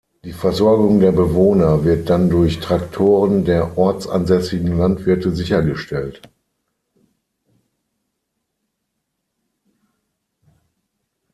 Die Versorgung der Bewohner wird dann durch Traktoren der ortsansässigen Landwirte sichergestellt.